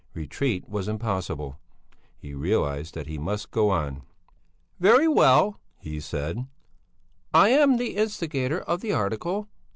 Retreat was impossible; he realized that he must go on. "Very well," he said, "I am the instigator of the article.